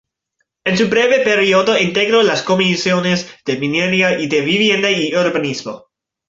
En su breve período integró las comisiones de Minería y de Vivienda y Urbanismo.